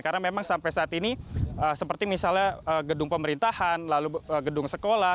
karena memang sampai saat ini seperti misalnya gedung pemerintahan gedung sekolah